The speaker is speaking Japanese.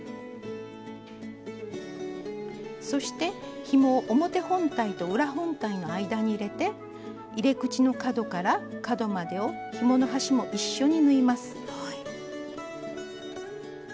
そしてひもを表本体と裏本体の間に入れて入れ口の角から角までをひもの端も一緒に縫います。